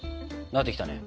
なってきたね。